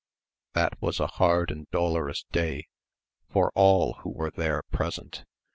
That was a hard and dolorous day for all who were there present !